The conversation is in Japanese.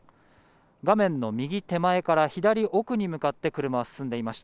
画面の右手前から、左奥に向かって車は進んでいました。